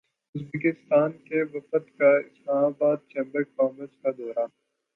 Uzbekistan کے وفد کا اسلام باد چیمبر کامرس کا دورہ